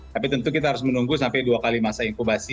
tapi tentu kita harus menunggu sampai dua kali masa inkubasi